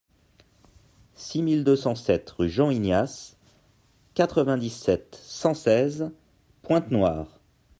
six mille deux cent sept rue Jean Ignace, quatre-vingt-dix-sept, cent seize, Pointe-Noire